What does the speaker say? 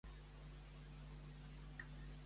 De qui era la descendència que va tenir Leda?